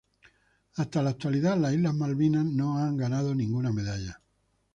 Hasta la actualidad, las Islas Malvinas no ha ganado ninguna medalla.